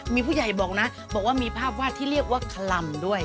มีผู้ใหญ่บอกนะบอกว่ามีภาพวาดที่เรียกว่าคลำด้วย